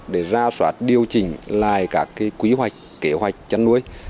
để ra soát điều chỉnh lại các kế hoạch chăn nuôi